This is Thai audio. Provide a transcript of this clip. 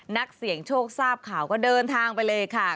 นักเสี่ยงโชคทราบข่าวก็เดินทางไปเลยค่ะ